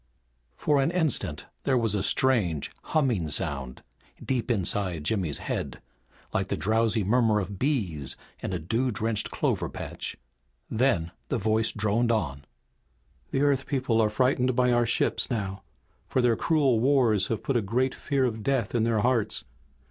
For an instant there was a strange, humming sound deep inside Jimmy's head, like the drowsy murmur of bees in a dew drenched clover patch. Then the voice droned on. "The Earth people are frightened by our ships now, for their cruel wars have put a great fear of death in their hearts.